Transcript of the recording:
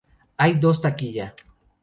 Hay dos taquilla.